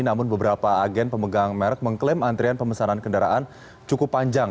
namun beberapa agen pemegang merek mengklaim antrian pemesanan kendaraan cukup panjang